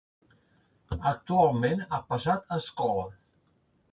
Actualment ha passat a escola.